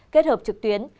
kết hợp trực tuyến